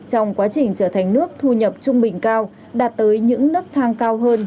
trong quá trình trở thành nước thu nhập trung bình cao đạt tới những nức thang cao hơn